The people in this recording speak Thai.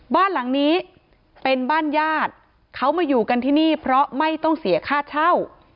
บ้านหลังนี้เป็นบ้านญาติเขามาอยู่กันที่นี่เพราะไม่ต้องเสียค่าเช่า